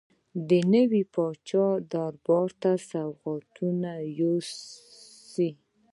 د نوي پاچا دربار ته سوغاتونه یوسي.